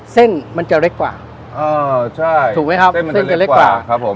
เส้นมันจะเล็กกว่าเออใช่ถูกไหมครับเส้นจะเล็กกว่าครับผม